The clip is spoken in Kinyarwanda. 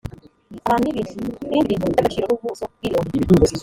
abantu n ibintu ibindi bintu by agaciro n ubuso bw ibirombe